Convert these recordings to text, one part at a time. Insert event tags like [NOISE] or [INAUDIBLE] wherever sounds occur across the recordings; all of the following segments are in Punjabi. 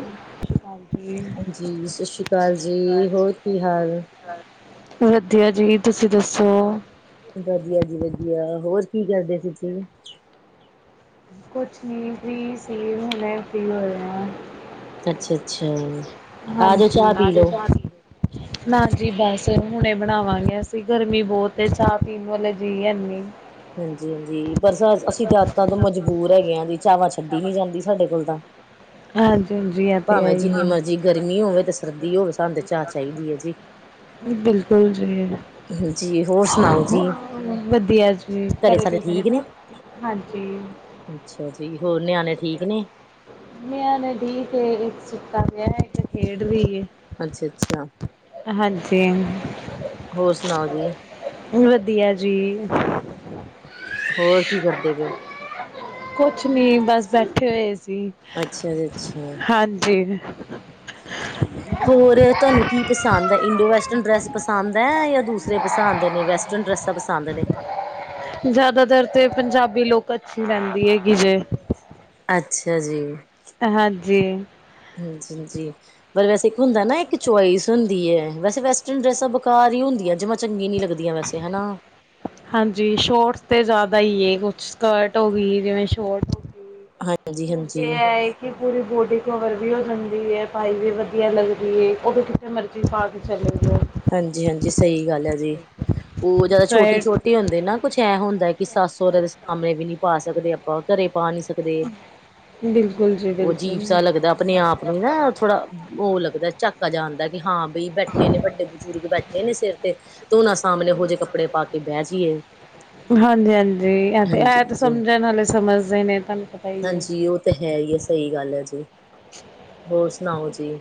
ਹਮ [UNINTELLIGIBLE] ਹਾਂਜੀ ਜੀ ਹੋਰ ਕੀ ਹਾਲ? [UNINTELLIGIBLE] ਵਧੀਆ ਜੀ ਤੁਸੀਂ ਦੱਸੋ? ਵਧੀਆ ਜੀ ਵਧੀਆ ਹੋਰ ਕੀ ਕਰਦੇ ਤੁਸੀਂ। ਕੁੱਛ ਨਹੀਂ ਫ੍ਰੀ ਸੀ ਹੁਨੇ ਫ੍ਰੀ ਹੋਏ ਆ। ਅੱਛਾ ਅੱਛਾ ਆ ਜਾਓ ਹਾਂਜੀ ਚਾਹ ਪੀ ਲਓ। ਆ [UNINTELLIGIBLE] ਨਾ ਜੀ ਬਸ ਹੁਣੇ ਬਣਾਵਾਂਗੇ ਅਸੀਂ ਗਰਮੀਂ ਬੋਤ ਏ ਚਾਹ ਪੀਨ ਵਾਲੇ ਜੀ ਹੈਨੀ ਹਾਂਜੀ ਹਾਂਜੀ ਬਸ ਅਸੀਂ ਦਾਤਾਂ ਤੋਂ ਮਜਬੂਰ ਦੂਰ ਹੈਗੇ ਜੀ ਚਾਵਾਂ ਛੱਡੀ ਨਹੀਂ ਜਾਂਦੀ ਸਾਡੇ ਕੋਲ ਤਾਂ ਹਾਂਜੀ ਹਾਂਜੀ ਇਹ ਤੇ ਭਾਵੇਂ ਹੈ ਹੀ ਜਿੰਨੀ ਹੈ। ਮਰਜ਼ੀ ਗਰਮੀਂ ਹੋਵੇ ਤੇ ਸਰਦੀ ਹੋਵੇ ਸਾਨੂੰ ਚਾਹ ਚਾਈਦੀ ਹੈ ਜੀ ਬਿਲਕੁੱਲ ਜੀ ਜੀ ਹੋਰ ਸੁਣਾਓ ਜੀ ਵਧੀਆ ਚ ਠੀਕ ਘਰੇ ਸਾਰੇ ਠੀਕ ਨੇ? [UNINTELLIGIBLE] ਹਾਂਜੀ ਅੱਛਾ ਜੀ ਹੋਰ ਨਿਆਣੇ ਠੀਕ ਨੇ? ਨਿਆਨੇ ਠੀਕ ਐ ਇੱਕ ਸੁੱਤਾ ਲ ਇੱਕ ਖੇਡਦੀ ਅੱਛਾ ਅੱਛਾ [UNINTELLIGIBLE] ਹਾਂਜੀ। ਹੋਰ ਸੁਣਾਓ ਜੀ? ਵਧੀਆ ਜੀ। ਹੋਰ ਕੀ ਕਰਦੇ ਪਓ ਹੋ? ਕੁਛ ਨੀ ਬਸ ਬੈਠੇ ਹੋਏ ਸੀ ਅੱਛਾ ਜੀ ਅੱਛਾ ਹਾਂਜੀ। [INAUDIBLE] ਹੋਰ ਤੁਹਾਨੂੰ ਕੀ ਪਸੰਦ ਹੈ ਇੰਡੋ ਵੈਸਟਰਨ ਡਰੈਸ ਪਸੰਦ ਹੈ ਜਾਂ। ਦੂਸਰੇ ਪਸੰਦ ਨੇ ਵੈਸਟਰਨ ਡਰੈਸਾਂ ਪਸੰਦ ਨੇ। ਜ਼ਿਆਦਾਤਰ ਤੇ ਪੰਜਾਬੀ ਲੂਕ ਅੱਛੀ ਰਹਿੰਦੀ ਹੈ ਜੇ। ਅੱਛਾ ਜੀ ਹਾਂਜੀ। ਹਾਂਜੀ ਹਾਂਜੀ। ਪਰ ਵੈਸੇ ਇੱਕ ਹੁੰਦਾ ਨਾ ਇੱਕ ਚੋਇਸ ਹੁੰਦੀ ਹੈ ਵੈਸੇ ਵੈਸਟਰਨ ਡਰੈਸਾਂ ਬੈਕਾਰ ਹੀ ਹੁੰਦੀਆਂ ਜਮਾਂ ਚੰਗੀਆ ਨੀ ਲੱਗਦੀਆਂ। ਵੈਸੇ ਹਨਾ। ਹਾਂਜੀ ਸ਼ੋਰਟਸ ਤੇ ਜ਼ਿਆਦਾ ਹੀ ਕੁਛ ਸਕਰਟ ਹੋ ਗਈ ਜਿਵੇਂ ਸ਼ੋਰਟ। ਹੂੰ ਹਾਂਜੀ ਸੂਟ ਹਾਂਜੀ ਇਹ ਹੈ ਕਿ ਪੂਰੀ ਬੋਡੀ। ਕਵਰ ਵੀ ਹੋ ਜਾਂਦੀ ਹੈ ਪਾਈ ਵੀ ਵਧੀਆ ਲੱਗਦੀ ਹੈ ਉਹ ਵੀ ਕਿਤੇ ਮਰਜ਼ੀ ਪਾ ਕੇ ਚਲੇ ਜਾਓ। ਹਾਂਜੀ ਹਾਂਜੀ ਸਹੀ ਗੱਲ ਹੈ ਜੀ ਉਹ ਜਿਆਦਾ ਛੋਟੀ ਚਾਹੇ ਛੋਟੀ ਹੁੰਦੇ ਨਾ ਕੁਛ ਐਂ ਹੁੰਦਾ ਕਿ। ਕਿ ਸੱਸ ਸਹੁਰੇ ਦੇ ਸਾਹਮਣੇ ਵੀ ਨਹੀਂ ਪਾ ਸਕਦੇ ਆਪਾਂ ਘਰੇ ਪਾ ਨਹੀਂ ਸਕਦੇ। ਬਿਲਕੁਲ ਜੀ ਉਹ ਅਜੀਬ ਬਿਲਕੁਲ। ਜਿਹਾ ਲੱਗਦਾ ਆਪਣੇ ਆਪ ਨੂੰ ਹੀ ਨਾ ਥੋੜਾ ਉਹ ਲੱਗਦਾ ਝੱਕ। ਝੱਕਾ ਜਿਹਾ ਆਉਂਦਾ ਕਿ ਹਾਂ ਬਈ ਬੈਠੇ ਨੇ ਵੱਡੇ। ਬਜ਼ੁਰਗ ਬੈਠੇ ਨੇ ਸਿਰ ਤੇ ਉਹਨਾਂ ਸਾਹਮਣੇ ਇਹੋ ਜਿਹੇ ਕੱਪੜੇ ਪਾ ਕੇ ਬਹਿ ਜਾਈਏ। ਹਾਂਜੀ ਹਾਂਜੀ ਤੇ ਹਾਂਜੀ ਐ ਤਾਂ ਜੀ ਸਮਝਣ ਨਾਲੇ ਸਮਝਦੇ ਨੇ ਤੁਹਾਨੂੰ ਪਤਾ ਹੀ ਹੈ। ਸਹੀ ਸਹੀ ਗੱਲ ਹੈ ਜੀ। ਹੋਰ ਸੁਣਾਓ ਜੀ?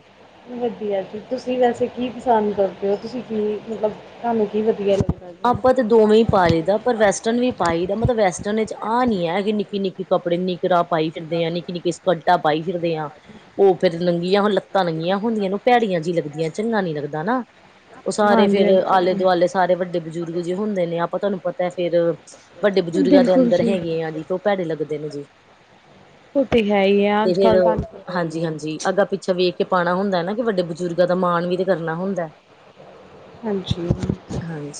ਵਧੀਆ ਜੀ। ਤੁਸੀਂ ਵੈਸੇ ਕੀ ਪਸੰਦ ਕਰਦੇ ਹੋ? ਤੁਸੀਂ ਕੀ ਮਤਲਬ ਤੁਹਾਨੂੰ ਕੀ ਵਧੀਆ? ਆਪਾਂ ਤੇ ਜੀ ਦੋਵੇਂ ਹੀ ਪਾ ਲਈਦਾ ਪਰ ਵੈਸਟਰਨ ਵੀ ਪਾਈ ਦਾ ਮਤਲਬ ਵੈਸਟਰਨ ਵਿੱਚ ਆਹ ਨੀ ਹੈ ਕਿ ਨਿੱਕੀ ਨਿੱਕੀ। ਕੱਪੜੇ ਨਿੱਕਰਾਂ ਪਾਈ ਫਿਰਦੇ ਆ ਨਿੱਕੀ ਨਿੱਕੀ ਸਕਰਟਾਂ ਪਾਈ ਫਿਰਦੇ ਆ ਉਹ ਫੇਰ ਨੰਗੀਆਂ ਹੁਣ ਲੱਤਾ ਨੰਗੀਆਂ ਹੁੰਦੀਆਂ ਨੂੰ ਭੈੜੀਆਂ ਜਿਹੀ ਲੱਗਦੀਆਂ ਚੰਗਾ ਨੀ ਲੱਗਦਾ ਨਾ। ਉਹ ਸਾਰੇ ਹਾਂਜੀ ਫੇਰ ਆਲੇ ਹਾਂਜੀ ਦੁਆਲੇ ਸਾਰੇ ਵੱਡੇ ਬਜ਼ੁਰਗ ਜੇ ਹੁੰਦੇ ਨੇ ਆਪਾਂ ਤੁਹਾਨੂੰ ਪਤਾ ਹੈ ਫੇਰ। ਵੱਡੇ ਬਜ਼ੁਰਗਾਂ ਦੇ ਅੰਦਰ ਹੈਗੇ ਆ ਜੀ ਤੇ ਉਹ ਭੈੜੇ ਲੱਗਦੇ ਨੇ ਜੀ। ਉਹ ਤੇ ਹੈ ਹੀ ਹੈ ਤੇ ਅੱਜ ਫੇਰ ਕੱਲ੍ਹ ਤੁਹਾਨੂੰ ਪਤਾ ਹੀ ਹਾਂਜੀ ਹੈ ਹਾਂਜੀ ਅੱਗਾਂ ਪਿੱਛਾ ਵੇਖ ਕੇ। ਤੇ ਪਾਉਣਾ ਹੁੰਦਾ ਹੈ ਨਾ ਤੇ ਵੱਡੇ ਬਜ਼ੁਰਗਾਂ ਦਾ ਮਾਣ ਵੀ ਤੇ ਕਰਨਾ ਹੁੰਦਾ ਹੈ। ਹਾਂਜੀ।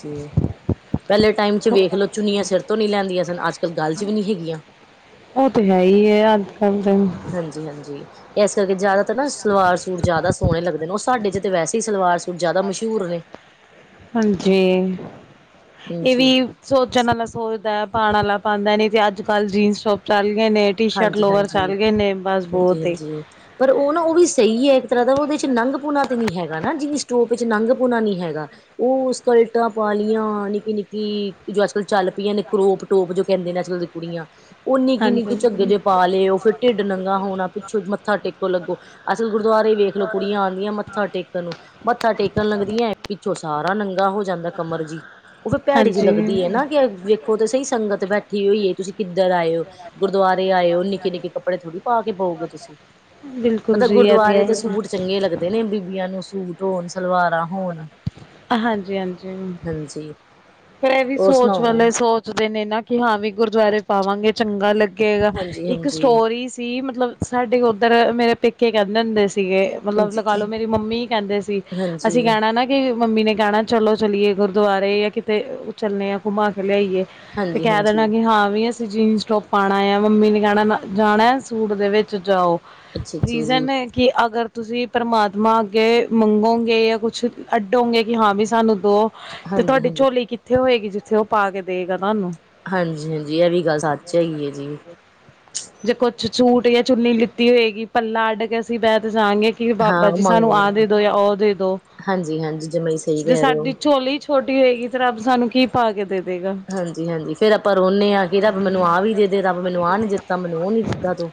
ਹੂੰ ਪਹਿਲੇ ਟਾਈਮ 'ਚ ਵੇਖ ਲੋ ਚੁੰਨੀਆਂ ਸਿਰ ਤੋਂ ਨਹੀਂ ਲੈਂਦੀਆਂ ਸਨ। ਅੱਜ ਕੱਲ ਗਲ਼ 'ਚ ਵੀ ਨਹੀਂ ਹੈਗੀਆਂ। ਉਹ ਤੇ ਹੈ ਹੀ ਹੈ। ਕੱਲ੍ਹ ਤਾਂ ਹਾਂਜੀ ਹਾਂਜੀ। ਇਸ ਕਰਕੇ ਜ਼ਿਆਦਾ ਤਾਂ ਨਾ ਸਲਵਾਰ ਸੂਟ ਜ਼ਿਆਦਾ ਸੋਹਣੇ ਲੱਗਦੇ ਨੇ ਉਹ ਸਾਡੇ 'ਚ ਤਾਂ ਵੈਸੇ ਹੀ ਸਲਵਾਰ ਸੂਟ ਜ਼ਿਆਦਾ ਮਸ਼ਹੂਰ ਨੇ। ਹੂੰ। ਹਾਂਜੀ ਇਹ ਹਾਂਜੀ ਵੀ ਸੋਚਣ ਵਾਲਾ ਸੋਚਦਾ ਹੈ। ਪਾਉਣ ਵਾਲਾ? ਪਾਉਂਦਾ ਨੀ ਤੇ ਅੱਜ ਕੱਲ੍ਹ ਜੀਨਸ ਟੋਪ ਚੱਲ ਗਏ ਨੇ ਟੀ ਸ਼ਰਟ ਹਾਂਜੀ ਲੋਵਰ ਚੱਲ ਹਾਂਜੀ ਗਏ ਨੇ। ਬਸ ਹਾਂਜੀ ਬਹੁਤ ਹੀ ਹਾਂਜੀ ਪਰ ਉਹ ਨਾ ਉਹ ਵੀ ਸਹੀ ਹੈ ਇੱਕ ਤਰ੍ਹਾਂ ਦਾ ਉਹਦੇ 'ਚ ਨੰਗ ਪੂਣਾ ਤੇ ਨੀ ਹੈਗਾ ਨਾ ਜੀ। ਟੋਪ ਵਿੱਚ ਨੰਗ ਪੂਣਾ ਨੀ ਹੈਗਾ ਉਹ ਸਕਲਟਾਂ ਪਾ ਲਈਆਂ ਨਿੱਕੀ ਨਿੱਕੀ ਜੋ ਅੱਜਕੱਲ ਚਲ। ਚੱਲਦੀਆ ਨੇ ਕਰੋਪ ਟੋਪ ਜੋ ਕਹਿੰਦੇ ਨੇ ਅਜਕੱਲ ਦੀ ਕੁੜੀਆਂ ਉਹ ਨਿੱਕੀ ਹਾਂਜੀ। ਨੰਗੇ ਜੇ ਪਾ ਲਏ ਉਹ ਫਿਰ ਢਿੱਡ ਨੰਗਾ ਹੋਣਾ ਪਿੱਛੋਂ ਮੱਥਾ ਟੇਕੋ ਲੱਗੋ ਅਸਲ ਗੁਰਦੁਆਰੇ ਵੇਖ ਲੋ ਕੁੜੀਆਂ ਆਉਂਦੀਆਂ ਮੱਥਾ ਟੇਕਣ ਨੂੰ ਮੱਥਾ ਟੇਕਣ ਲੱਗਦੀਆਂ ਹੈ ਪਿੱਛੋਂ ਸਾਰਾ ਸਾਰਾ ਨੰਗਾ ਹੋ ਜਾਂਦਾ ਕਮਰ ਜਿਹੀ ਉਹ ਫਿਰ ਭੈੜੀ ਜਿਹੀ ਹਾਂਜੀ, ਲੱਗਦੀ ਹੈ ਨਾ ਕਿ ਵੇਖੋ ਤੇ ਸਹੀ ਸੰਗਤ ਬੇ ਇਕੱਠੀ ਹੋਈਏ ਤੁਸੀਂ ਕਿੱਧਰ ਆਏ ਓ? ਗੁਰਦੁਆਰੇ ਆਏ ਓ ਨਿੱਕੇ ਨਿੱਕੇ ਕੱਪੜੇ ਥੋੜੀ ਪਾ ਕੇ ਬਓਗੇ ਤੁਸੀਂ? ਬਿਲਕੁਲ ਮਤਲਬ ਜੀ ਇਹ ਹੈ ਗੁਰਦੁਆਰੇ ਤੇ ਹੀ ਸੂਟ ਚੰਗੇ ਲੱਗਦੇ ਨੇ ਬੀਬੀਆਂ ਨੂੰ ਸੂਟ ਹੋਣ ਸਲਵਾਰਾਂ। ਹੋਣ ਹਾਂਜੀ ਹਾਂਜੀ। ਹਾਂਜੀ ਫਿਰ ਇਹ ਵੀ ਹੋਰ ਸੋਚ ਸੁਣਾਓ ਵਾਲੇ ਸੋਚਦੇ ਨੇ ਨਾ ਕਿ ਹਾਂ ਵੀ ਗੁਰਦੁਆਰੇ ਪਾਵਾਂਗੇ ਚੰਗਾ ਲੱਗੇਗਾ ਹਾਂਜੀ ਇੱਕ ਹਾਂਜੀ ਸਟੋਰੀ ਸੀ ਮਤਲਬ ਸਾਡੇ ਕੋਲ ਉੱਧਰ ਮੇਰੇ ਪੇਕੇ ਕਹਿੰਦੇ ਹੁੰਦੇ ਸੀਗੇ ਮਤਲਬ ਲਗਾ ਹਾਂਜੀ ਲੋ ਮੇਰੀ ਮੰਮੀ ਹੀ ਕਹਿੰਦੇ ਸੀ ਹਾਂਜੀ ਅਸੀਂ ਕਹਿਣਾ ਨਾ ਕਿ ਮੰਮੀ ਨੇ ਕਹਿਣਾ ਚਲੋ ਚਲੀਏ ਗੁਰਦੁਆਰੇ ਜਾਂ ਕਿਤੇ ਚੱਲਣੇ ਆ ਘੁੰਮਾ ਕੇ ਲਿਆਈਏ। ਤੇ ਹਾਂਜੀ ਕਹਿ ਹਾਂਜੀ ਦੇਣਾ ਕਿ ਹਾਂ ਵੀ ਅਮਸ ਤੇ ਜੀਨਸ ਟੋਪ ਪਾਣਾ ਆ ਮੰਮੀ ਨੇ ਕਹਿਣਾ ਜਾਣਾ ਸੂਟ ਦੇ ਵਿੱਚ ਜਾਓ ਅੱਛਾ ਅੱਛਾ ਜੀ ਰੀਜ਼ਨ ਏ ਕਿ ਅਗਰ ਤੁਸੀਂ ਪ੍ਰਮਾਤਮਾ ਅੱਗੇ ਮੰਗੋ ਗੇ ਜਾਂ ਕੁਛ ਅੱਡੋਂਗੇ ਕਿ ਹਾਂ ਵੀ ਸਾਨੂੰ ਦੋ ਤੇ ਹਾਂਜੀ ਤੁਹਾਡੀ ਹਾਂਜੀ ਝੋਲੀ ਕਿੱਥੇ ਹੋਏਗੀ ਜਿੱਥੇ ਉਹ ਪਾ ਕੇ ਦੇਏ ਗਾ ਹਾਂਜੀ ਹਾਂਜੀ ਇਹ ਵੀ ਗੱਲ ਸੱਚ ਹੈਗੀ ਹੈ ਜੀ ਚਚੁਰ ਡੇ ਚੁੰਨੀ ਲਿੱਤੀ ਹੋਏਗੀ ਪੱਲਾ ਅੱਡ ਕੇ ਅਸੀਂ ਬਹਿ ਜਾ ਗਏ ਫਿਰ ਬਾਬਾ ਹਾਂ ਜੀ ਮੰਗ ਸਾਨੂੰ ਆਹ ਦੇ ਲਾਂਗੇ ਦੋ ਜਾਂ ਉਹ ਦੇ ਦੋ ਹਾਂਜੀ ਹਾਂਜੀ ਜਮਾ ਹੀ ਸਹੀ ਜੇ ਕਹਿ ਰਹੇ ਸਾਡੀ ਹੋ ਝੋਲੀ ਛੋਟੀ ਹੋਏਗੀ ਤੇ ਰੱਬ ਸਾਨੂੰ ਕੀ ਪਾ ਕੇ ਦੇਵੇ ਹਾਂਜੀ ਹਾਂਜੀ ਫੇਰ ਆਪਾਂ ਰੋਣੇ ਹਾਂ ਕਿ ਰੱਬ ਮੈਨੂੰ ਆਹ ਵੀ ਦੇ ਦੇ ਰਬ ਮੈਨੂੰ ਆਹ ਨੀ ਦਿੱਤਾ ਮੈਨੂੰ ਉਹ ਨੀ ਦਿੱਤਾ ਤੂੰ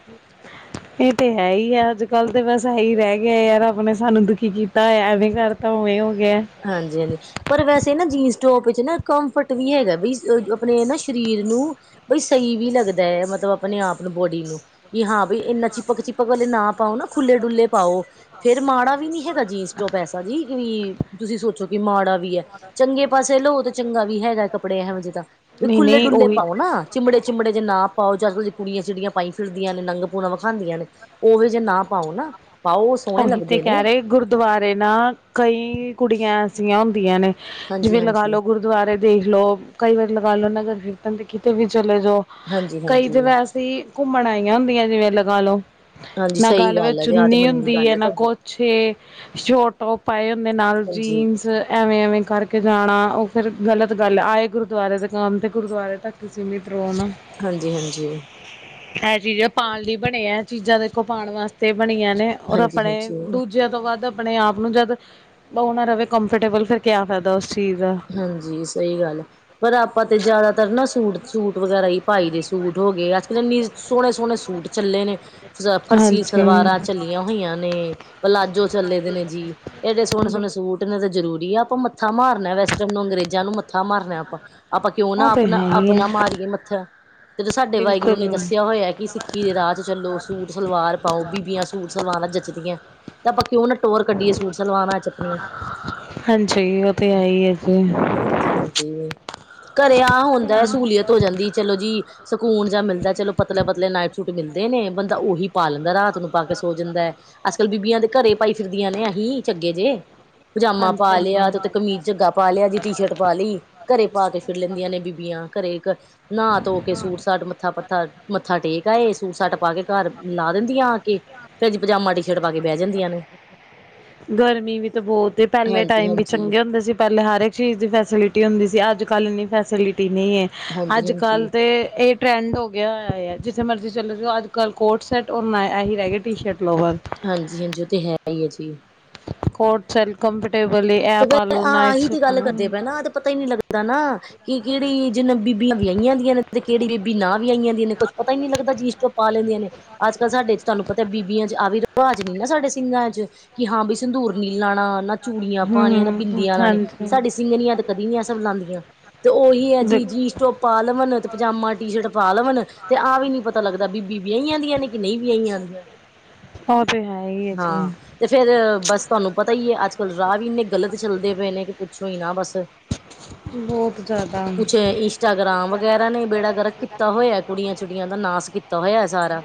ਇਹ ਤੇ ਹੈ ਐ ਅੱਜ ਕੱਲ੍ਹ ਤਾਂ ਬਸ ਇਹੀ ਰਹਿ ਗਿਆ ਯਾਰ ਰੱਬ ਨੇ ਸਾਨੂੰ ਦੁਖੀ ਕੀਤਾ ਐਵੇਂ ਕਰਤਾ ਉਵੇਂ ਹੋ ਗਿਆ ਹਾਂਜੀ ਹਾਂਜੀ ਪਰ ਵੈਸੇ ਨਾ ਜੀ ਟੋਪ ਵਿਚ ਨਾ ਕੰਫਰਟ ਵੀ ਹੈਗਾ ਬਈ ਆਪਣੇ ਨਾ ਸਰੀਰ ਨੂੰ ਬਈ ਸਹੀ ਵੀ ਲੱਗਦਾ ਹੈ ਮਤਲਬ ਮਤਲਬ ਆਪਣੇ ਆਪ ਨੂੰ ਬੋਡੀ ਨੂੰ ਕਿ ਹਾਂ ਵੀ ਇੰਨਾ ਚਿਪਕ ਚਿਪਕ ਵਾਲੇ ਨਾ ਪਾਓ ਨਾ ਖੁੱਲੇ ਡੁੱਲੇ ਪਾਓ ਫੇਰ ਮਾੜਾ ਵੀ ਨੀ ਹੈਗਾ ਜੀਨਸ ਟੋਪ ਜੀ ਵੀ ਤੁਸੀਂ ਸੋਚੋ ਕਿ ਮਾੜਾ ਵੀ ਐ ਚੰਗੇ ਪਾਸੇ ਲਓ ਤੇ ਚੰਗਾ ਵੀ ਵੀ ਹੈਗਾ ਕੱਪੜੇ ਇਹੋ ਜਿਹੇ ਤਾਂ ਵੀ ਨਹੀਂ ਖੁੱਲੇ ਨਹੀਂ ਡੁੱਲੇ ਉਹੀ ਪਾਓ ਨਾ ਚਿਮੜੇ ਚਿਮੜੇ ਜੇ ਨਾ ਪਾਓ ਜੈਹੋ ਕੁੜੀਆਂ ਚਿੜੀਆਂ ਪਾਈ ਫਿਰਦੀਆਂ ਨੇ ਨੰਗ ਪੂਣਾ ਵਿਖਾਦੀਆਂ ਨੇ ਉਹ ਵੀ ਜੇ ਨਾ ਪਾਓ ਨਾ ਪਾਓ ਸੋਹਣੇ ਉਹੀ ਤੇ ਲੱਗਦੇ ਨੇ ਕਹਿ ਰਹੇ ਗੁਰਦੁਆਰੇ ਨਾ ਕਈ ਕੁੜੀਆਂ ਐਸੀਆਂ ਹੁੰਦੀਆਂ ਨੇ ਹਾਂਜੀ ਜਿਵੇਂ ਲਗਾ ਹਾਂਜੀ ਲੋ ਗੁਰਦੁਆਰੇ ਦੇਖ ਲੋ ਕਈ ਵਾਰੀ ਲਗਾ ਲੋ ਨਗਰ ਕੀਰਤਨ ਦੇ ਕਿਤੇ ਵੀ ਚਲੇ ਜਾਓ ਹਾਂਜੀ ਕਈ ਤੇ ਹਾਂਜੀ ਵੈਸੇ ਈ ਘੁੰਮਣ ਆਈਆਂ ਹੁੰਦੀਆਂ ਜਿਵੇਂ ਲਗਾ ਲੋ ਹਾਂਜੀ ਨਾ ਸਹੀ ਗੱਲ ਵਿਚ ਹੈ ਜੇ ਆਹ ਤੇ ਚੁੰਨੀ ਮੰਨੀ ਦੀ ਗੱਲ ਏ, ਹੈ ਨਾ ਤੁਹਾਡੀ ਕੋਛ ਏ, ਸ਼ੋਟ ਟੋਪ ਪਾਏ ਹੁੰਦੇ ਨਾਲ ਹਾਂਜੀ ਜੀਨਸ, ਐਵੇਂ-ਐਵੇਂ ਕਰ ਜਾਣਾ ਉਹ ਫਿਰ ਗਲਤ ਗੱਲ ਆਏ ਗੁਰਦੁਆਰੇ ਦੇ ਕੰਮ ਤੇ ਗੁਰਦੁਆਰੇ ਤੱਕ ਹੀ ਹਾਂਜੀ ਹਾਂਜੀ ਇਹ ਚੀਜ਼ ਪਾਣ ਲਈ ਬਣੇ ਹੈ ਚੀਜ਼ਾਂ ਦੇਖੋ ਪਾਣ ਵਾਸਤੇ ਬਣੀਆਂ ਨੇ ਔਰ ਹਾਂਜੀ ਆਪਣੇ ਹਾਂਜੀ ਦੂਜਿਆਂ ਤੋਂ ਵਧ ਆਪਣੇ ਆਪ ਜਦ ਓ ਨਾ ਰਹੇ ਕੰਫਰਟੇਬਲ ਫਿਰ ਕਿਆ ਫਾਇਦਾ ਉਸ ਚੀਜ਼ ਦਾ ਹਾਂਜੀ ਸਹੀ ਗੱਲ ਪਰ ਆਪਾਂ ਤੇ ਜ਼ਿਆਦਾਤਰ ਨਾ ਸੂਟ ਸੂਟ ਵਗੈਰਾ ਹੀ ਪਾਈ ਦੇ ਸੂਟ ਹੋ ਗਏ ਅੱਜ ਕੱਲ ਕਿੰਨੇ ਸੋਹਣੇ ਸੋਹਣੇ ਸੂਟ ਚੱਲੇ ਨੇ ਫਰਸੀ ਹਾਂਜੀ ਸਲਵਾਰਾਂ ਚੱਲੀਆਂ ਹੋਆਂ ਨੇ ਪਲਾਜੋ ਚੱਲੇ ਦੇ ਨੇ ਜੀ ਏਡੇ ਸੋਹਣੇ ਬਿਲਕੁਲ ਸੋਹਣੇ ਸੂਟ ਨੇ ਤਾਂ ਜ਼ਰੂਰੀ ਆ ਆਪਾਂ ਮੱਥਾ ਮਾਰਨਾ ਵੈਸ ਅੰਗਰੇਜ਼ਾਂ ਨੂੰ ਮੱਥਾ ਮਾਰਨਾ ਆਪਾਂ ਆਪਾਂ ਕਿਉਂ ਨਾ ਉਹ ਤੇ ਆਪਣਾ ਹੈ ਹੀ ਆਪਣਾ ਹੈ ਮਾਰੀਏ ਮੱਥਾ ਜਦੋਂ ਸਾਡੇ ਵਾਹਿਗੁਰੂ ਨੇ ਬਿਲਕੁਲ ਦੱਸਿਆ ਹੋਇਆ ਕਿ ਸਿੱਖੀ ਦੇ ਰਾਹ ਚ ਚਲੋ ਸੂਟ ਸਲਵਾਰ ਪਾਓ ਬੀਬੀਆਂ ਸੂਟ ਸਲਵਾਰ ਪਰ ਜੱਚਦੀਆਂ ਤਾਂ ਆਪਾਂ ਕਿਉ ਨਾ ਟੋਰ ਕੱਢੀਏ ਸੂਟ ਸਲਵਾਾਰ ਚ ਆਪਣੀਆਂ ਹਾਂਜੀ ਉਹ ਤੇ ਹੈ ਹੀ ਹੈ ਜੀ ਹਾਂਜੀ ਹਾਂਜੀ ਘਰੇ ਆ ਹੁੰਦਾ ਸਹੂਲੀਅਤ ਹੋ ਜਾਂਦੀ ਚਲੋ ਜੀ ਹੁਣ ਜਾਂ ਮਿਲਦਾ ਚਲੋ ਪਤਲੇ ਪਤਲੇ ਨਾਈਟ ਸੂਟ ਮਿਲਦੇ ਨੇ ਬੰਦਾ ਉਹੀ ਪਾ ਲੈਂਦਾ ਰਾਤ ਨੂੰ ਪਾ ਕੇ ਸੋ ਜਾਂਦਾ ਐ ਅਸਲ ਬੀਬੀਆਂ ਦੇ ਘਰੇ ਪਾਈ ਫਿਰਦੀਆਂ ਨੇ, ਏਹ ਹੀ ਚੱਗੇ ਜੇਹ, ਪਜਾਮਾ ਹਾਂਜੀ ਪਾ ਲੇਆ ਤੇ ਉਤੇ ਹਾਂਜੀ ਕਮੀਜ਼। ਚੱਗਾ ਪਾ ਲਿਆ ਜੀ, ਟੀ ਸ਼ਰਟ ਪਾ ਲਈ, ਘਰੇ ਪਾ ਕੇ ਫਿਰ ਲੈਂਦੀਆਂ ਨੇ ਬੀਬੀਆਂ, ਘਰੇ ਕ ਨਾ ਧੋ ਕੇ, ਸੂਟ ਸਾਟ ਮੱਥਾ ਪੱਥਾ ਮੱਥਾ ਟੇਕ ਆਏ। ਸੂਟ ਸਾਟ ਪਾ ਕੇ ਘਰ ਲਾ ਦਿੰਦੀਆਂ ਆ ਕੇ। ਫੇਰ ਜੀ ਪਜਾਮਾ, ਟੀ ਸ਼ਰਟ ਪਾ ਕੇ ਬਹਿ ਜਾਂਦੀਆਂ ਨੇ। ਗਰਮੀ ਵੀ ਤੇ ਬਹੁਤ ਏ, ਪਹਿਲੇ ਹਾਂਜੀ ਟਾਈਮ ਵੀ ਹਾਂਜੀ ਚੰਗੇ ਹੁੰਦੇ ਸੀ। ਪਹਿਲੇ ਹਰ ਇੱਕ ਚੀਜ਼ ਦੀ ਫੈਸਿਲਿਟੀ ਹੁੰਦੀ ਸੀ। ਅੱਜ ਕੱਲ੍ਹ ਇੰਨੀ ਫੈਸਿਲਿ ਟੀ ਨੀ ਏ, ਹਾਂਜੀ ਅੱਜ ਕੱਲ ਹਾਂਜੀ ਤੇ ਏਹ ਟਰੈਂਡ ਹੋ ਗਿਆ ਹੋਯਾਆ ਏ, ਜਿ ਜਿੱਥੇ ਮਰਜ਼ੀ ਚੱਲ ਜਾਓ, ਅੱਜ ਕੱਲ ਕੋਰਡ ਸੈਟ ਔਰ ਨਾ ਏਹ ਹੀ ਰਹਗੇ ਟੀ ਸ਼ਰਟ। ਲੋਵਰ ਹਾਂਜੀ-ਹਾਂਜੀ ਉਹ ਤੇ ਹੈ ਹੀ ਹੈ ਜੀ। ਕੋਰਡ ਸੇਲ ਕੰਫਰਟੇਬਲ ਏਹ ਆ ਉਹ ਆਹ ਇਹੀ ਤੇ ਗੱਲ ਕਰਦੇ ਪਏ ਨਾ, ਏਹ ਤੇ ਪਤਾ ਹੀ ਨੀ ਲੱਗਦਾ ਨਾ, ਕਿ ਕਿਹੜੀ ਜਿਨ ਬੀ ਬੀਬੀਆਂ ਵੀਆਈਆਂ ਦੀਆਂ ਨੇ, ਤੇ ਕੇੜੀ ਬੀਬੀ ਨਾ ਵੀਆਈਆਂ ਦੀਆਂ ਨੇ, ਕੁੱਛ ਪਤਾ ਈ ਨਈ ਲੱਗਦਾ, ਜਿਨਸ ਟੋਪ ਪਾ ਲੈਂਦੀਆਂ ਨੇ। ਅੱਜ ਕੱਲ੍ਹ ਸਾਡੇ ਤੁਹਾਨੂੰ ਪਤਾ ਏ ਬੀਬੀਆਂ ਚ ਆ ਵੀ ਵਾਜ ਨੀ ਨਾ ਸਾਡੇ ਸਿੰਘਾਂ ਚ, ਕਿ ਹਾਂ ਬਈ ਸੰਦੂਰ ਨੀ ਲਾਣਾ, ਨਾ ਚੂੜੀਆਂ ਪਾਣੀਆਂ, ਨਾ ਹਮ ਬਿੰਦੀਆਂ ਲਾਣੀ, ਹਾਂਜੀ ਸਾਡੀ ਸਿੰਘਣੀਆਂ ਤੇ ਕਦੀ ਨਈ ਏਹ ਸਭ ਲਾਂਦੀਆਂ। ਤੇ ਉਹੀ ਹੈ ਜੀ, ਜੀਸ ਟੋਪ ਪਾ ਲਵਣ, ਤੇ ਪਜਾਮਾ ਟੀ ਸ਼ਰਟ ਪਾ ਲਵਣ, ਤੇ ਆਹ ਵੀ ਨੀ ਪਤਾ ਲੱਗਦਾ ਦਾ ਬੀਬੀ ਵਿਆਹੀਆਂ ਦੀਆਂ ਨੇ, ਕਿ ਨਹੀਂ ਵਿਆਹੀਆਂ ਦੀਆਂ? ਉਹ ਤਾਂ ਹੈ ਹੀ ਹੈ ਜੀ ਹਾਂ, ਤੇ ਫੇਰ ਬਸ ਤੁਹਾਨੂੰ ਪਤਾ ਹੀ ਏ, ਅੱਜ ਕੱਲ ਰਾਹ ਵੀ ਇੰਨੇ ਗ਼ਲਤ ਚੱਲਦੇ ਬਏ ਨੇ, ਕਿ ਪੁੱਛੋ ਹੀ ਨਾ ਬਸ। ਬੋਹਤ ਜਾਦਾ। ਕੁਛ ਇੰਸਟਾਗ੍ਰਾਮ ਵਗੈਰਾ ਨੇ ਬੇੜਾ ਗਰਕ ਕੀਤਾ ਹੋਇਆ। ਕੁੜੀਆਂ ਚਿੜੀਆਂ ਦਾ ਨਾਸ ਕੀਤਾ ਹੋਇਆ ਸਾਰਾ।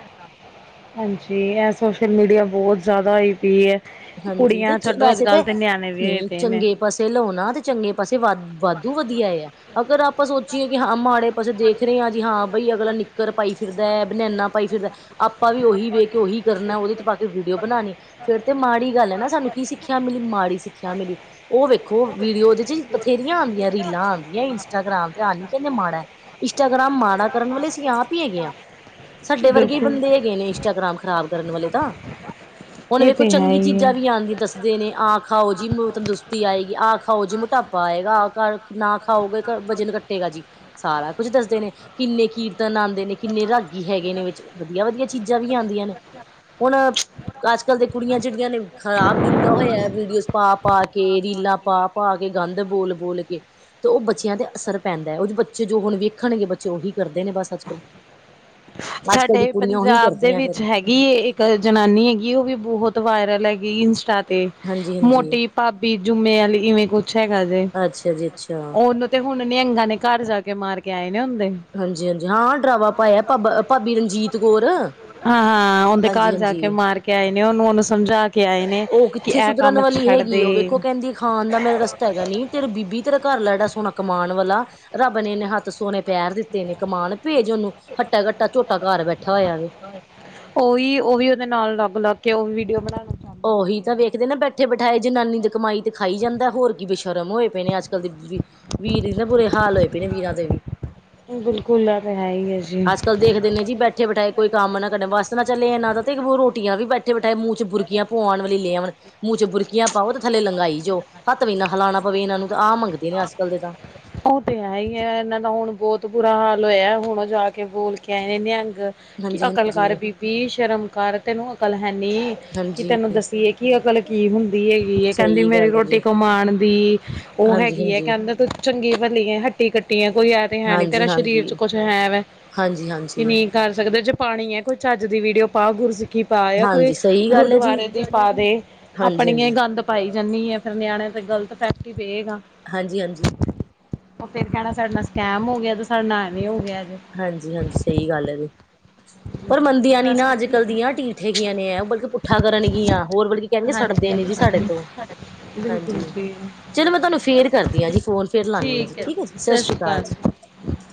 ਹਾਂਜੀ, ਏਹ ਸੋਸ਼ਲ ਮੀਡੀਆ ਜਾਦਾ ਈ ਪੀ ਏ। ਹਾਂਜੀ [UNINTELLIGIBLE] ਵੈਸੇ ਤੇ, ਵੀ ਹੋਏ ਨਈ ਪਏ ਨੇ ਚੰਗੇ ਪਾਸੇ ਲਉ ਨਾ ਤੇ ਚੰਗੇ ਪਾਸੇ ਵੱਧ ਵਾਧੂ ਵਧੀਆ ਏ ਏਹ, ਅਗਰ ਆਪਾਂ ਸੋਚੀਏ ਕਿ ਹਾ ਮਾੜੇ ਬਸ ਦੇਖ ਰਹੇ ਹਾਂ ਜੀ ਹਾਂ ਬਈ, ਅਗਲਾ ਨਿੱਕਰ ਪਾਈ ਫਿਰਦਾ ਏ, ਬਨੈਨਾ ਪਾਈ ਫਿਰਦਾ ਆਪਾਂ ਵੀ ਉਹੀ ਵੇਖ ਕੇ, ਉਹੀ ਕਰਨਾ ਏ, ਉਹਦੇ ਚ ਪਾ ਕੇ ਵੀਡੀਓ ਬਣਾਣੀ ਫੇਰ ਤੇ ਮਾੜੀ ਗੱਲ ਏ ਨਾ, ਸਾਨੂੰ ਕੀ ਸਿੱਖਿਆ ਮਿਲੀ? ਮਾੜੀ ਸਿੱਖਿਆ ਮਿਲੀ। ਉਹ ਵੇਖੋ ਵੀਡੀਓ ਉਹਦੇ ਚ ਬਥੇਰੀਆਂ ਨਵੀਆਂ ਰੀਲਾਂ ਆਂਦੀਆਂ ਏ ਇੰਸਟਾਗ੍ਰਾਮ ਤੇ, ਹਾਲ ਈ ਕੇਂਦੇ ਮਾੜਾ ਏ, ਇੰਟਾਗ੍ਰਾਮ ਮਾੜਾ ਕਰਨ ਵਾਲੇ ਅਸੀਂ ਆਪ ਹੀ ਹੈਗੇ ਆ। ਸਾਡੇ ਵਰਗੇ ਈ ਬਿਲਕੁਲ ਬੰਦੇ ਹੈਗੇ ਨੇ ਇੰਸਟਾਗ੍ਰਾਮ ਖ਼ਰਾਬ ਕਰਨ ਵਾਲੇ ਤਾਂ, ਹੁਣ ਇਹ ਵੇਖੋ ਤੇ ਹੈ ਚੰਗੀ ਹੀ ਹੈ ਚੀਜ਼ਾਂ ਵੀ ਆਉਂਦੀਆਂ ਦੱਸਦੇ ਨੇ ਆਖ ਖਾਓ ਜੀ ਤੰਦਰੁਸਤੀ ਆਏਗੀ ਆਹ ਖਾਓ ਜੀ ਮੋਟਾਪਾ ਆਏਗਾ ਆਹ ਘਰ ਨਾ ਖਾਓਗੇ ਵਜਨ ਕੱਟੇਗਾ ਜੀ ਸਾਰਾ ਕੁੱਝ ਦੱਸਦੇ ਨੇ ਕਿੰਨੇ ਕੀਰਤਨ ਆ ਨੇ ਕਿੰਨੇ ਰਾਗੀ ਹੈਗੇ ਨੇ ਵਿੱਚ ਵਧੀਆ ਵਧੀਆ ਚੀਜ਼ਾਂ ਵੀ ਆਉਂਦੀਆਂ ਨੇ ਹੁਣ ਅੱਜ ਕੱਲ੍ਹ ਦੇ ਕੁੜੀਆਂ ਜੇਹੜੀਆਂ ਨੇ, ਖ਼ਰਾਬ ਕੀਤਾ ਹੋਇਆ ਵੀਡੀਓਜ਼ ਪਾ-ਪਾ ਕੇ, ਰੀਲਾਂ ਪਾ-ਪਾ ਕੇ, ਗੰਦ ਬੋਲ ਬੋਲ ਕੇ। ਤੇ ਉਹ ਬੱਚਿਆਂ ਤੇ ਅਸਰ ਪੈਂਦਾ ਏ, ਉਹ ਜੋ ਬੱਚੇ ਜੋ ਹੁਣ ਵੇਖਣਗੇ, ਬੱਚੇ ਉਹੀ ਕਰਦੇ ਨੇ ਬਸ ਅੱਜ ਕੱਲ੍ਹ। ਅੱਜ ਕੱਲ੍ਹ ਦੀ ਸਾਡੇ ਕੁੜੀਆਂ ਉਹੀ ਪੰਜਾਬ ਦੇ ਕਰਦੀਆਂ ਫਿਰ ਵਿੱਚ ਹੈਗੀ ਏ, ਇੱਕ ਜਨਾਨੀ ਹੈਗੀ, ਉਹ ਵੀ ਬੋਹਤ ਵਾਇਰਲ ਹੈਗੀ ਇੰਸਟਾ ਤੇ ਹਾਂਜੀ ਹਾਂਜੀ ਮੋਟੀ ਭਾਬੀ ਜੁੰਮੇ ਆਲੀ, ਇਵੇਂ ਕੁਛ ਹੈਗਾ ਜੇ। ਅੱਛਾ ਜੀ ਅੱਛਾ ਉਹਨੂੰ ਤੇ ਹੁਣ ਨਿਅੰਗਾਂ ਨੇ ਘਰ ਜਾ ਕੇ ਮਾਰ ਕੇ ਆਏ ਨੇ ਹੁੰਦੇ ਹਾਂਜੀ-ਹਾਂਜੀ ਹਾਂ ਡਰਾਵਾ ਪਾਇਆ, ਭਾਬਾ ਭਾਬੀ ਰਣਜੀਤ ਕੌਰ। ਹਾਂ-ਹਾਂ ਔਂਦੇ ਘਰ ਜਾ ਕੇ ਹਾਂਜੀ-ਹਾਂਜੀ ਮਾਰ ਕੇ ਆਏ ਨੇ ਉਹਨੂੰ, ਉਹਨੂੰ ਸਮਝਾ ਕੇ ਆਏ ਨੇ ਉਹ ਕਿ ਕਿੱਥੇ ਇਹ ਸੁਧਰਨ ਕੰਮ ਵਾਲੀ ਛੱਡ ਹੈਗੀ ਏ, ਦੇ ਉਹ ਵੇਖੋ ਕੇਂਦੀ ਏ ਖਾਣ ਦਾ ਮੇਰਾ ਰਸਤਾ ਹੈਗਾ ਨੀ, ਤੇਰੇ ਬੀਬੀ ਤੇਰਾ ਘਰ ਲ ਸੋਹਣਾ ਕਮਾਣ ਵਾਲਾ, ਰੱਬ ਨੇ ਇਨੇ ਹੱਥ ਸੋਹਣੇ, ਪੈਰ ਦਿੱਤੇ ਨੇ, ਕਮਾਣ ਭੇਜ ਉਹਨੂੰ, ਹੱਟਾ ਕੱਟਾ ਝੋਟਾ ਘਾਰ ਬੈਠਾ ਹੋਇਆ ਵੇ। ਬੁਲਾ ਕੇ ਉਹ ਵੀਡੀਓ ਬਣਾ ਉਹੀ ਤਾਂ ਵੇਖਦੇ ਨੇ ਬੈਠੇ ਬਿਠਾਏ, ਜਨਾਨੀ ਦੀ ਕਮਾਈ ਤੇ ਖਾਈ ਜਾਂਦਾ ਏ, ਹੋਰ ਕੀ ਬੇਸ਼ਰਮ ਹੋਏ ਪਏ ਨੇ ਅੱਜ ਅੱਜ ਕੱਲ ਦੀ ਬੀਬੀ, ਵੀਰ [UNINTELLIGIBLE] ਬੁਰੇ ਹਾਲ ਹੋਏ ਪਏ ਨੇ ਵੀਰਾਂ ਦੇ ਵੀ। ਬਿਲਕੁਲ ਇਹ ਤੇ ਹੈ ਹੀ ਹੈ ਜੀ ਅੱਜ ਕੱਲ ਦੇਖਦੇ ਨੇ ਜੀ ਬੈਠੇ ਬੈਠਾਏ ਕੋਈ ਕੰਮ ਨਾ ਕਰ, ਵੱਸ ਨਾ ਚਲੇ ਏਹਨਾਂ ਤੇ ਉਹ ਰੋਟੀਆਂ ਵੀ ਬੈਠੇ ਬੈਠਾਏ ਮੂੰਹ ਚ ਬੁਰਕੀਆਂ ਪੁਆਣ ਵਾਲੀ ਲੇ ਆਓਣ, ਮੂੰਹ ਚ ਬੁਰਕੀਆਂ ਪਾਓ ਤੇ ਥਲੇ ਲੰਗਾਈ ਜੋ। ਹਤ ਵੀ ਨਾ ਹਲਾਣਾ ਪਵੇ ਇਹਨਾਂ ਨੂੰ। ਤਾਂ ਆਹ ਮੰਗਦੇ ਨੇ ਅੱਜ ਕੱਲ ਦੇ ਤਾਂ ਉਹ ਤੇ ਹੈ ਹੀ ਹੈ ਇਹਨਾਂ ਦਾ ਹੁਣ ਬਹੁਤ ਤੋਂ ਬੁਰਾ ਹਾਲ ਹੋਇਆ ਹੁਣ ਉਹ ਜਾ ਕੇ ਬੋਲ ਕੇ ਆ ਇਹਨੇ ਨਿਹੰਗ ਕਿ ਹਾਂਜੀ ਅਕਲ ਕਰ ਹਾਂਜੀ ਬੀਬੀ ਸ਼ਰਮ ਕਾਰ ਤੇ ਨੂੰ ਹੈਨੀ ਕਿ ਹਾਂਜੀ ਤੈਨੂੰ ਦੱਸੀਏ ਕਿ ਅਕਲ ਕੀ ਹੁੰਦੀ ਹੈਗੀ ਕਹਿੰਦੀ ਸਹੀ ਮੇਰੀ ਗੱਲ ਹੈ ਰੋਟੀ ਜੀ ਕਮਾਉਣ ਦੀ ਉਹ ਹਾਂਜੀ ਹੈਗੀ ਹੈਏ ਹਾਂਜੀ ਕਹਿੰਦੇ ਤੂੰ ਚੰਗੀ ਭਲੀ ਹੈ ਹੱਟੀ ਕੱਟੀ ਹੈ ਕੋਈ ਐ ਤੇ ਹੈ ਨੀ ਹਾਂਜੀ ਤੇਰਾ ਸਰੀਰ ਚ ਹਾਂਜੀ ਕੁੱਛ ਹੈ ਵ ਹਾਂਜੀ ਕੀ ਹਾਂਜੀ ਨਹੀਂ ਕਰ ਸਕਦੇ ਪਾਣੀ ਹੈ ਕੋਈ ਝੱਜ ਦੀ ਵੀਡੀਓ ਪਾ ਗੁਰੂ ਸਿੱਖ ਕੀ ਪਾ ਆ ਕੋਈ ਹਾਂਜੀ ਸਹੀ ਗੱਲ ਹੈ ਜੀ ਗੁਰਦੁਆਰੇ ਦੀ ਪਾ ਦੇ ਹਾਂਜੀ ਆਪਣੀੀਆਂ ਹਾਂਜੀ ਗੰਦ ਪਾਈ ਜਾਂਦੀ ਆ ਫੇਿਰ ਨਿਆਣਣੇ ਤੇ ਗਲਤ ਇਫ਼ੇਕਟ ਹੀ ਪਏਗਾ ਹਾਂਜੀ ਹਾਂਜੀ ਉਹ ਫਿਰ ਕਹਿਣਾ ਸਾਡੇ ਨਾਲ ਸਕੈਮ ਹੋ ਗਿਆ ਤੇ ਸਾਡੇ ਨਾਲ ਐਵੇਂ ਹੋ ਗਿਆ ਜੇ। ਹਾਂਜੀ ਹਾਂਜੀ ਸਹੀ ਗੱਲ ਹੈ ਜੀ ਪਰ ਮੰਦੀਆਂ ਨੀ ਬਸ ਨਾ ਅੱਜ ਕੱਲ੍ਹ ਦੀਆਂ ਟੀਠ ਹੈਗੀਆਂ ਨੇ ਉਹ ਬਲਕਿ ਪੁੱਠਾ ਕਰਨਗੀਆਂ ਹੋਰ ਬਤਲਬਿ ਕਹਿਣਗੇ ਸੜਦੇ ਹਾਂਜੀ ਨੇ ਜੀ ਸਾਡੇ ਹਾਂਜੀ ਤੋਂ ਹਾਂਜੀ ਬਿਲਕੁਲ ਜੀ ਚਲੋ ਮੈਂ ਤੁਹਾਨੂੰ ਫੇਰ ਕਰਦੀ ਹਾਂ ਜੀ ਫੋਨ ਫੇਰ ਲਾਂਦੀ ਹਾਂ ਜੀ ਠੀਕ ਹੈ ਜੀ ਸਤਿ ਸ੍ਰੀ ਅਕਾਲ ਜੀ